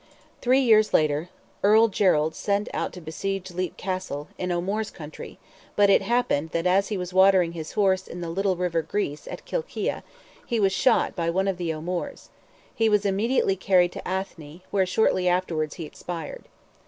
Three years later, Earl Gerald set out to besiege Leap Castle, in O'Moore's country; but it happened that as he was watering his horse in the little river Greese, at Kilkea, he was shot by one of the O'Moores: he was immediately carried to Athy, where shortly afterwards he expired.